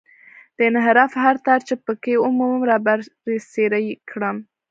د انحراف هر تار چې په کې ومومم رابرسېره یې کړم.